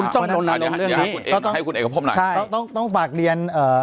ปากกับภาคภูมิ